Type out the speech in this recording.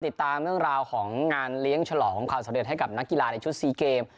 ติดตามเรื่องราวของงานเลี้ยงฉลองความสำเร็จให้กับนักกีฬาในชุดซีเกม